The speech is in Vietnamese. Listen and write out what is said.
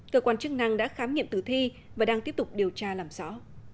cơ quan chức năng đã khám nghiệm tử thi và đang tiếp tục điều tra làm rõ